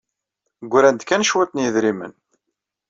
Ggran-d kan cwiṭ n yidrimen.